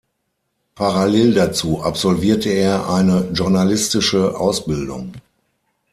Parallel dazu absolvierte er eine journalistische Ausbildung.